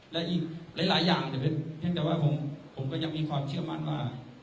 และอีกหลายอย่างเพียงแต่ว่าผมก็ยังมีความเชื่อมั่นว่า